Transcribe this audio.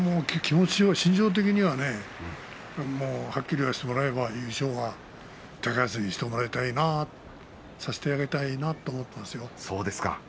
心情的にはねはっきり言わせてもらえれば優勝は高安にしてもらいたいなさせてあげたいなと思っていますよ。